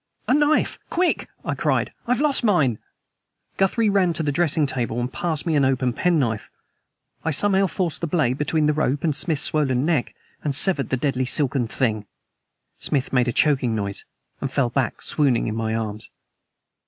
"A knife! Quick!" I cried. "I have lost mine!" Guthrie ran to the dressing table and passed me an open penknife. I somehow forced the blade between the rope and Smith's swollen neck, and severed the deadly silken thing. Smith made a choking noise, and fell back, swooning in my arms.